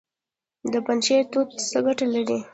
د پنجشیر توت څه ګټه لري؟